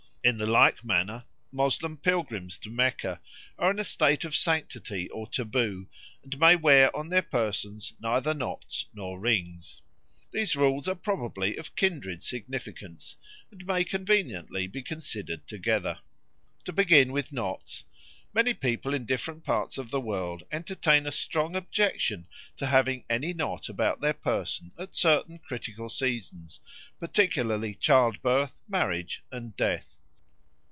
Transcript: In like manner Moslem pilgrims to Mecca are in a state of sanctity or taboo and may wear on their persons neither knots nor rings. These rules are probably of kindred significance, and may conveniently be considered together. To begin with knots, many people in different parts of the world entertain a strong objection to having any knot about their person at certain critical seasons, particularly childbirth, marriage, and death.